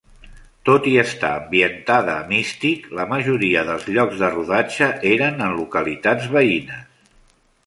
Tot i estar ambientada a Mystic, la majoria dels llocs de rodatge eren en localitats veïnes.